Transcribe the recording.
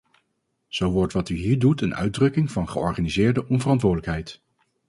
Zo wordt wat u hier doet een uitdrukking van georganiseerde onverantwoordelijkheid.